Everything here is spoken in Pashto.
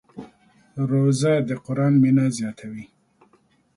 روژه د قرآن مینه زیاتوي.